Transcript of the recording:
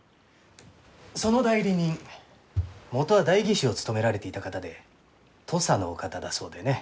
その代理人元は代議士を務められていた方で土佐のお方だそうでね。